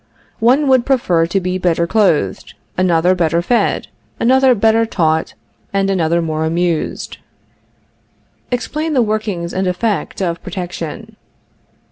One person would prefer to be better clothed, another better fed, another better taught, and another more amused. Explain the workings and effect of protection.